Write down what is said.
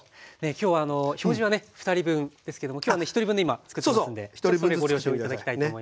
今日は表示はね２人分ですけども今日はね１人分で今つくってますんでご了承頂きたいと思います。